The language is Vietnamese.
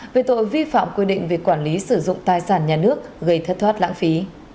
về tội vi phạm quy định về quản lý sử dụng tài sản nhà nước gây thất thoát lãng phí